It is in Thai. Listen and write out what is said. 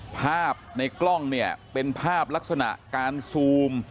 ภาพในกล้องเนี่ยเป็นภาพลักษณะการซูม